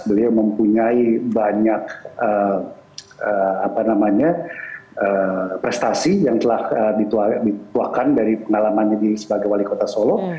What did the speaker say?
beliau mempunyai banyak prestasi yang telah dituakan dari pengalaman ini sebagai wali kota solo